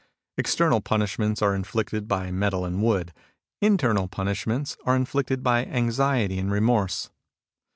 External punishments are inflicted by metal and wood. Internal punishments are inflicted by anxiety and remorse.